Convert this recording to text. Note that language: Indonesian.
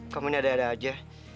kamu ini ada ada aja